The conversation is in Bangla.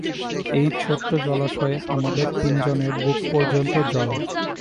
এই ছোট্ট জলাশয়ে আমাদের তিনজনের বুক পর্যন্ত জল।